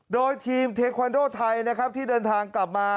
โดยทีมเทควันโดไทยนะครับที่เดินทางกลับมา